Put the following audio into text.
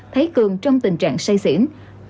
thấy cường trong tình trạng say xỉn đi xét nghiệm